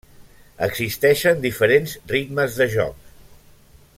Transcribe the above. Existeixen diferents ritmes de joc.